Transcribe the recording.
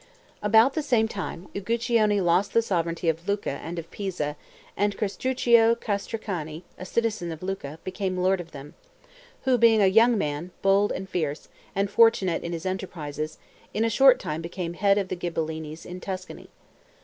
About the same time, Uguccione lost the sovereignty of Lucca and of Pisa, and Castruccio Castracani, a citizen of Lucca, became lord of them, who, being a young man, bold and fierce, and fortunate in his enterprises, in a short time became the head of the Ghibellines in Tuscany.